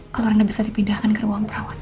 kalau anda bisa dipindahkan ke ruang perawatan